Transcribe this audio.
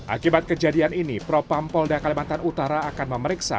akibat kejadian ini propam polda kalimantan utara akan memeriksa